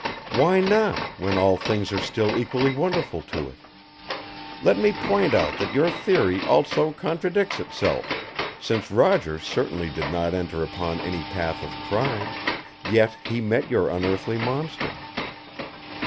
Why not, when all things are still equally wonderful to it? Let me point out that your theory also contradicts itself, since Roger certainly did not enter upon any path of crime, yet he met your unearthly monster."